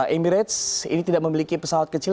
emirates ini tidak memiliki pesawat kecil